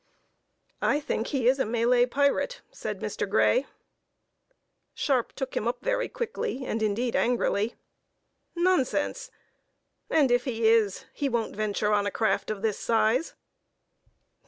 "I think he is a Malay pirate," said Mr. Grey. Sharpe took him up very quickly, and, indeed, angrily: "Nonsense! And if he is, he won't venture on a craft of this size."